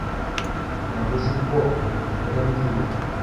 Waba uzi uko ibi bikora mbwira